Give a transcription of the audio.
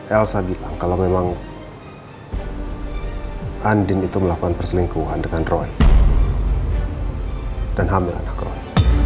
elsa bilang kalau memang andin itu melakukan perselingkuhan dengan roy dan hamil ada kroid